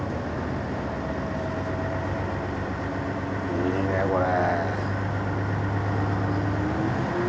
いいねこれ。